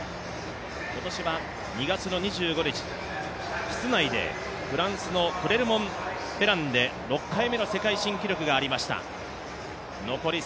今年は２月２５日、室内でフランスでクレルモンフェランで６回目の世界新記録がありました。